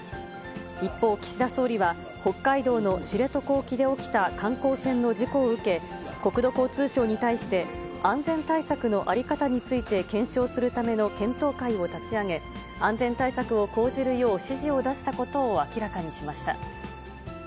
一方、岸田総理は、北海道の知床沖で起きた観光船の事故を受け、国土交通省に対して、安全対策の在り方について検証するための検討会を立ち上げ、安全対策を講じるよう指示を出したことを明らかにしました。